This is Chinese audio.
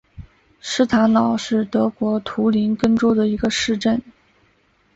施塔瑙是德国图林根州的一个市镇。